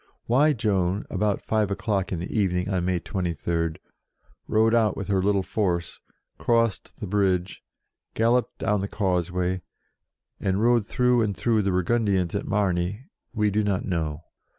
Why Joan, about five o'clock in the evening of May 23, rode out with her little force, crossed the bridge, galloped down the causeway, and rode through and through the Burgundians at Margny, we do not know.